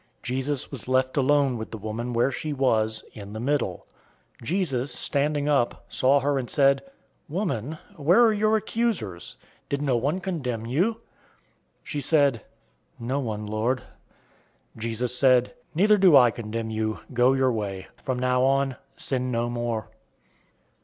Jesus was left alone with the woman where she was, in the middle. 008:010 Jesus, standing up, saw her and said, "Woman, where are your accusers? Did no one condemn you?" 008:011 She said, "No one, Lord." Jesus said, "Neither do I condemn you. Go your way. From now on, sin no more."